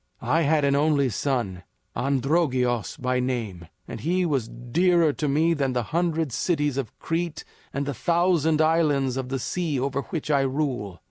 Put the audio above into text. I had an only son, Androgeos by name, and he was dearer to me than the hundred cities of Crete and the thousand islands of the sea over which I rule.